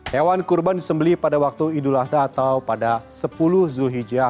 hewan kurban disembeli pada waktu idul adha atau pada sepuluh zulhijjah